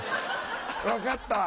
分かった。